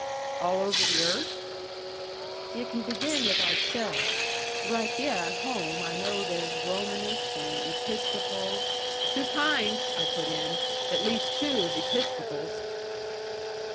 "All over the earth?" "Yu' can begin with ourselves. Right hyeh at home I know there's Romanists, and Episcopals " "Two kinds!" I put in. "At least two of Episcopals."